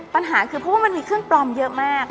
ปัญหาคือเพราะว่ามันมีเครื่องปลอมเยอะมาก